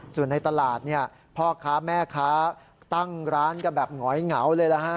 ส่วนในตลาดพ่อค้าแม่ค้าตั้งร้านกับแบบหงอยเหงาเลย